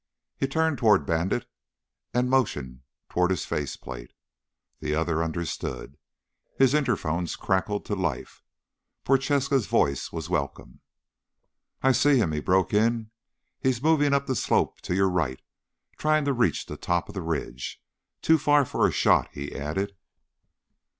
He turned toward Bandit and motioned toward his faceplate. The other understood. His interphones crackled to life. Prochaska's voice was welcome. "I see him," he broke in. "He's moving up the slope to your right, trying to reach the top of the ridge. Too far for a shot," he added.